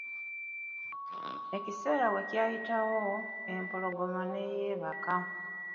Ekiseera wekyayitawo, empologoma ne yeebaka.